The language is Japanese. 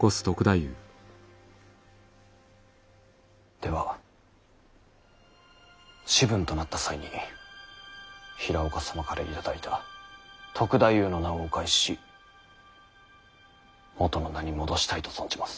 では士分となった際に平岡様から頂いた「篤太夫」の名をお返ししもとの名に戻したいと存じます。